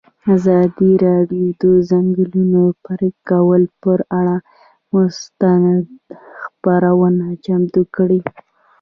ازادي راډیو د د ځنګلونو پرېکول پر اړه مستند خپرونه چمتو کړې.